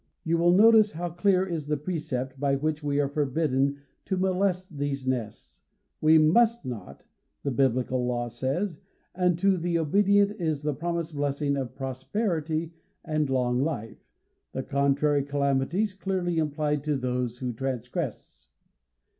You will notice how clear is the precept by which we are forbidden to molest these nests. We must not, the biblical law says, and to the obedient is the promised blessing of prosperity and long life, with contrary calamities clearly implied to those who transgress.